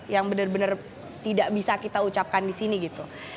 yang benar benar tidak bisa kita ucapkan di sini gitu